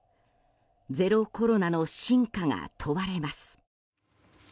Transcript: ゼロコロナの真価が問われます。